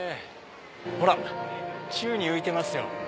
ほら宙に浮いてますよ。